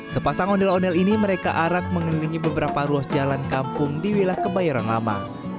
sepasang ondel ondel ini mereka arak mengelilingi beberapa ruas jalan kampung di wilayah kebayoran lama